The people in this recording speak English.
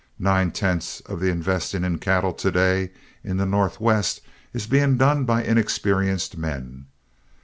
Nine tenths of the investing in cattle to day in the Northwest is being done by inexperienced men.